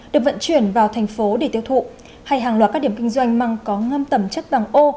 được vận chuyển vào thành phố để tiêu thụ hay hàng loạt các điểm kinh doanh măng có ngâm tẩm chất vàng ô